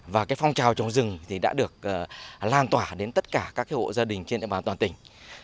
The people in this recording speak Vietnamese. và phong trào trồng rừng thì đã được lan tỏa đến tất cả các hộ gia đình trên địa bàn toàn tỉnh